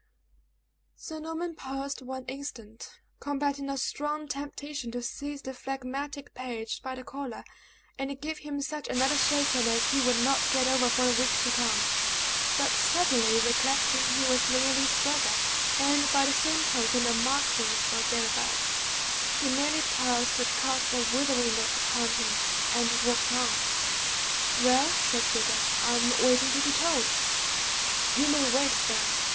Sir Norman paused one instant, combating a strong temptation to seize the phlegmatic page by the collar, and give him such another shaking as he would not get over for a week to come; but suddenly recollecting he was Leoline's brother, and by the same token a marquis or thereabouts, he merely paused to cast a withering look upon him, and walked on. "Well," said Hubert, "I am waiting to be told." "You may wait, then!"